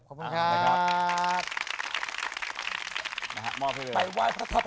ขอบคุณครับ